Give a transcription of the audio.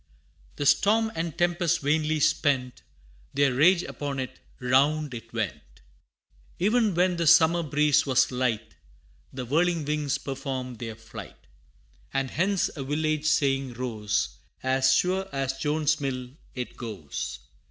The storm and tempest vainly spent Their rage upon it round it went! E'en when the summer breeze was light, The whirling wings performed their flight; And hence a village saying rose "As sure as Jones's mill, it goes."